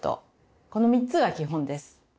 この３つが基本です。